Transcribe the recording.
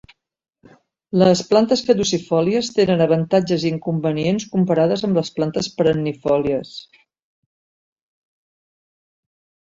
Les plantes caducifòlies tenen avantatges i inconvenients comparades amb les plantes perennifòlies.